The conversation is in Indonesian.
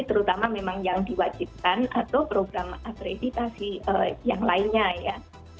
terutama memang yang diwajibkan atau program akreditasi yang lainnya ya